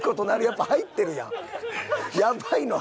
やっぱ入ってるやん。